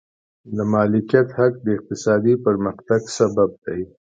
د مالکیت حق د اقتصادي پرمختګ سبب دی.